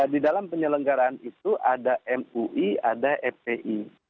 di dalam penyelenggaraan itu ada mui ada fpi